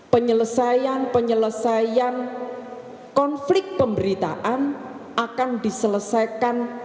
penyelesaian penyelesaian konflik pemberitaan akan diselesaikan